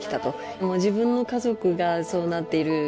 もう自分の家族がそうなっているような。